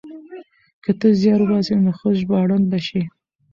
که ته زيار وباسې نو ښه ژباړن به شې.